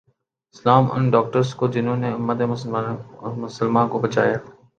سلام ان ڈاکٹرز کو جہنوں نے امت مسلماں کو بچایا